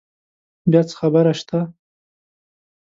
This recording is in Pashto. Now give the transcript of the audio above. بیا څه خبره شته؟